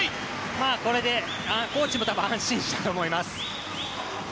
これでコーチも多分安心したと思います。